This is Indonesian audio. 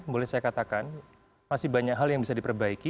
boleh saya katakan masih banyak hal yang bisa diperbaiki